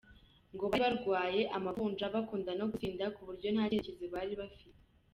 Ngo bari barwaye amavunja, bakunda no gusinda ku buryo nta cyerekezo bari bafite.